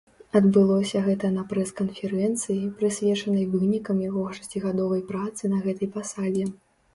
Адбылося гэта на прэс-канферэнцыі, прысвечанай вынікам яго шасцігадовай працы на гэтай пасадзе.